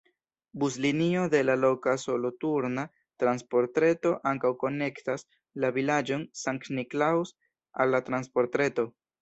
Buslinio de la loka soloturna transportreto ankaŭ konektas la vilaĝon Sankt-Niklaus al la transportreto.